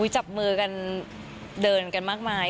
จับมือกันเดินกันมากมาย